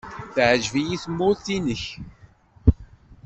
Teɛjeb-iyi tmurt-nnek.